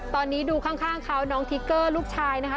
ตอนนี้ดูข้างเขาน้องทิกเกอร์ลูกชายนะคะ